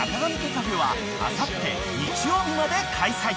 カフェはあさって日曜日まで開催］